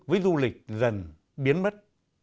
với du lịch dần biến mất